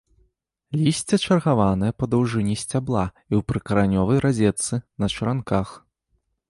Лісце чаргаванае па даўжыні сцябла і ў прыкаранёвай разетцы, на чаранках.